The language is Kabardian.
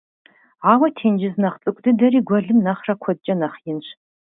Ауэ тенджыз нэхъ цӀыкӀу дыдэри гуэлым нэхърэ куэдкӀэ нэхъ инщ.